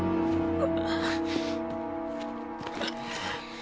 あ。